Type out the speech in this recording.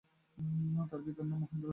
তার পিতার নাম মহেন্দ্রনাথ গোস্বামী।